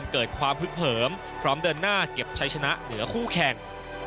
เกิดความฮึกเหิมพร้อมเดินหน้าเก็บชัยชนะเหนือคู่แข่ง